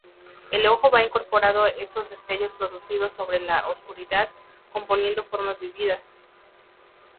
El ojo va incorporando estos destellos producidos sobre la oscuridad, componiendo formas vividas.